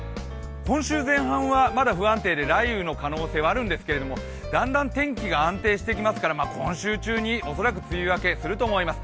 今週前半はまだ不安定で雷雨の可能性があるんですけれどもだんだん天気が安定してきますから今週中に恐らく梅雨明けすると思います。